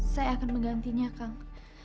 saya akan menggantinya kang